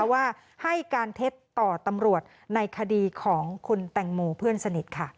ว่าให้การเท็จต่อตำรวจในคดีของคุณแตงโมเพื่อนสนิทค่ะ